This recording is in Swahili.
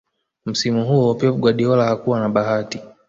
msimu huo pep guardiola hakuwa na bahati